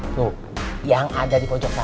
tuh yang ada di pojok sana